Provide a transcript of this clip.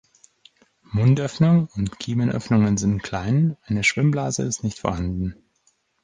Mundöffnung und Kiemenöffnungen sind klein, eine Schwimmblase ist nicht vorhanden.